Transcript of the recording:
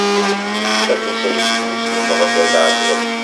Afus ayeffus n Umeɣlal ɛlay.